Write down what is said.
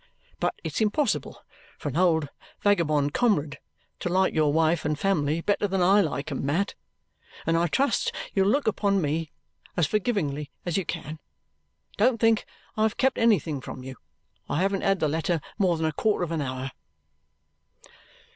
But it's impossible for an old vagabond comrade to like your wife and family better than I like 'em, Mat, and I trust you'll look upon me as forgivingly as you can. Don't think I've kept anything from you. I haven't had the letter more than a quarter of an hour."